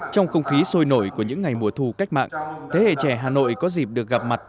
trong không khí sôi nổi của những ngày mùa thu cách mạng thế hệ trẻ hà nội có dịp được gặp mặt